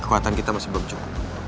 kekuatan kita masih berjauh